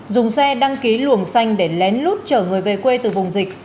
dùng xe đăng ký luồng xanh để lén lút chở người về quê từ vùng dịch